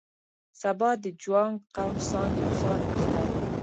سبا د جوانګ قوم سان یو سان اختر و.